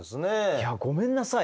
いやごめんなさい。